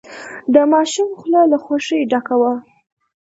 د ماشوم خوله له خوښۍ ډکه وه.